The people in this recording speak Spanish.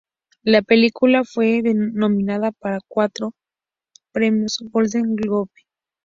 La película fue nominada para cuatro Premios Golden Globe.